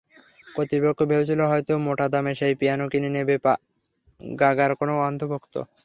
কর্তৃপক্ষ ভেবেছিল, হয়তো মোটা দামে সেই পিয়ানো কিনে নেবে গাগার কোনো অন্ধভক্ত।